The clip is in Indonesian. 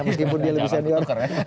meskipun dia lebih senior